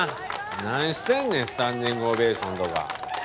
何してんねんスタンディングオベーションとか。